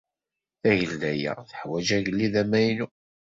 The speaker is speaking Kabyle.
Tagelda-a teḥwaj agellid amaynu.